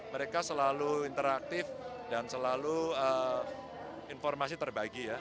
mereka selalu interaktif dan selalu informasi terbagi ya